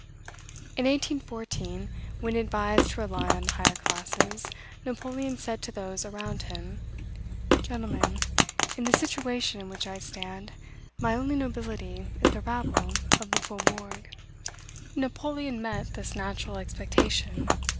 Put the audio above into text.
In 1814, when advised to rely on the higher classes, Napoleon said to those around him, "Gentlemen, in the situation in which I stand, my only nobility is the rabble of the Faubourgs." Napoleon met this natural expectation.